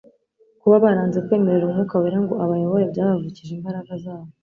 Kuba baranze kwemerera Umwuka wera ngo abayobore byabavukije imbaraga zawo.